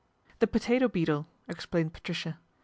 'The potato beetle," explained Patricia.